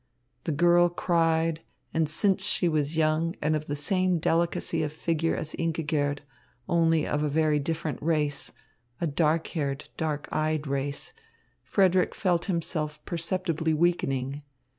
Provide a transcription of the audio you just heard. The girl cried, and since she was young and of the same delicacy of figure as Ingigerd, only of a very different race, a dark haired, dark eyed race, Frederick felt himself perceptibly weakening.